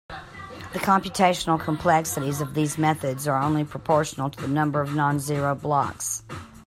The computational complexities of these methods are only proportional to the number of non-zero blocks.